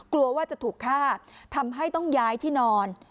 กลัวว่าจะถูกฆ่าทำให้ต้องย้ายที่นอน